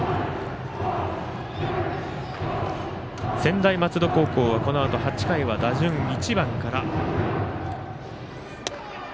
専大松戸高校はこのあと８回は打順１番から。